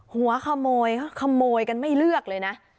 หัวขโมยขโมยกันไม่เลือกเลยนะ